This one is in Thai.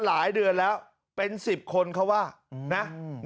หลายเดือนแล้วเป็นสิบคนเขาว่านะ